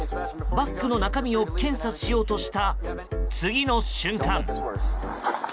バッグの中身を検査しようとした次の瞬間。